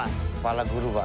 kepala guru pak